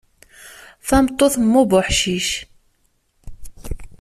Tameṭṭut mm ubuḥcic.